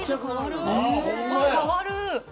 変わる。